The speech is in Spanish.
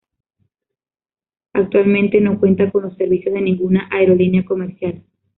Actualmente no cuenta con los servicios de ninguna aerolínea comercial.